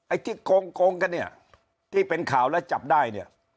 ไอ้ที่กรงกันนี่นะที่เป็นข่าวแล้วจับได้